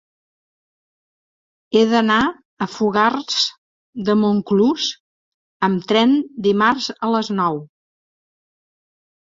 He d'anar a Fogars de Montclús amb tren dimarts a les nou.